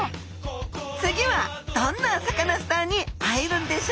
次はどんなサカナスターに会えるんでしょう？